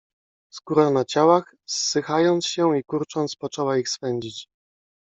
Skóra na ciałach, zsychając się i kurcząc, poczęła ich swędzić.